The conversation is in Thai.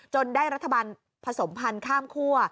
ได้รัฐบาลผสมพันธ์ข้ามคั่ว